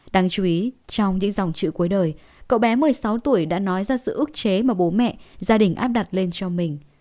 đáng chú ý trong những dòng chữ cuối đời cậu bé một mươi sáu tuổi đã nói ra sự ước chế mà bố mẹ gia đình áp đặt lên cho mình